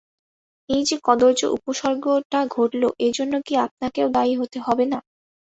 এই-যে কদর্য উপসর্গটা ঘটল এজন্য কি আপনাকেও দায়ী হতে হবে না?